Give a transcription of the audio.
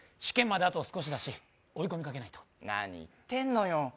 試験まであと少しだし追い込みかけないと何言ってんのよ